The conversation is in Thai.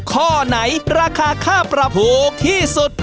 ข้อไหนราคาค่าปรับถูกที่สุด